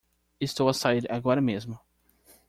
Estou a sair agora mesmo.